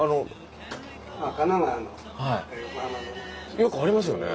よくありますよね。